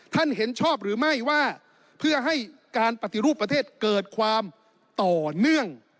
เห็นชอบหรือไม่ว่าเพื่อให้การปฏิรูปประเทศเกิดความต่อเนื่อง